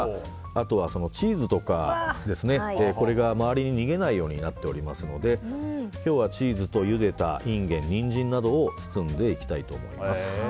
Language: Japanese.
あとは、チーズとかこれが周りに逃げないようになっておりますのでチーズとゆでたインゲンニンジンなどを包んでいきたいと思います。